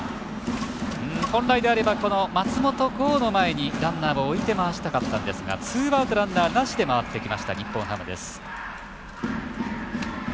本来であれば、松本剛の前にランナーを置いて回したかったんですがツーアウト、ランナーなしで回ってきました、日本ハムです。